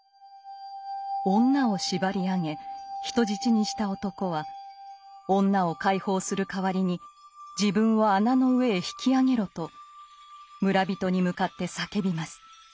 女を縛り上げ人質にした男は女を解放する代わりに自分を穴の上へ引き上げろと村人に向かって叫びます。